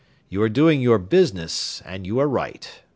You are doing your business, and you are right.